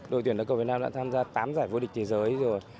đội tuyển đá cầu việt nam đã tham gia tám giải vô địch thế giới rồi